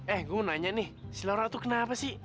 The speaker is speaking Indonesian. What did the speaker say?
eh gua mau nanya nih si laura tuh kenapa sih